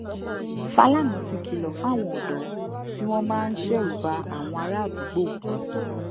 Fálànà ti kìlọ̀ fáwọn ọ̀dọ́ tí wọ́n máa ń ṣẹ̀rù ba àwọn ará àdúgbò.